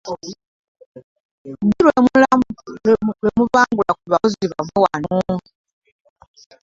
Ddi lwe mubangula ku bakozi bammwe wano.